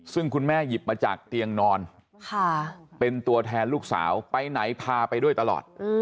ซึ่งคุณแม่หยิบมาจากเตียงนอนเป็นตัวแทนลูกสาวไปไหนพาไปด้วยตลอด